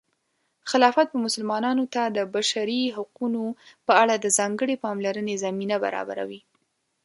خلافت به مسلمانانو ته د بشري حقونو په اړه د ځانګړې پاملرنې زمینه برابروي.